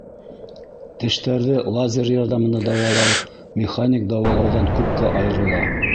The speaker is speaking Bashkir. Тештәрҙе лазер ярҙамында дауалау механик дауалауҙан күпкә айырыла.